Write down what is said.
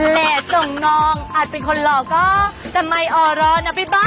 แหละส่งน้องอาจเป็นคนหล่อก็ทำไมอ๋อร้อนนะพี่บ้าน